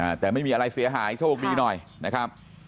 แต่ไม่มีอะไรเสียหายโชคดีหน่อยนะครับ